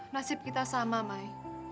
nasib kita sama mai